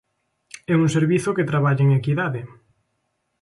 E un servizo que traballe en equidade.